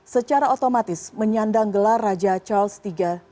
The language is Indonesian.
secara otomatis menyandang gelar raja charles iii